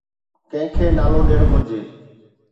ڪنهن کي نالو ڏيڻ گهرجي؟